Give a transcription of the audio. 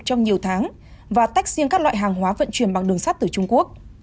trong nhiều tháng và tách riêng các loại hàng hóa vận chuyển bằng đường sắt từ trung quốc